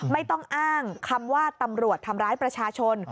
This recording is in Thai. ไม่ต้องอ้างคำว่าตำรวจทำร้ายประชาชน